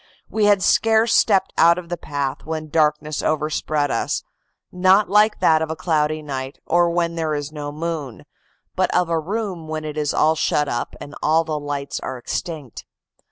We had scarce stepped out of the path when darkness overspread us, not like that of a cloudy night, or when there is no moon, but of a room when it is all shut up and all the lights are extinct.